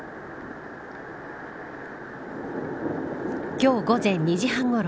今日午前２時半ごろ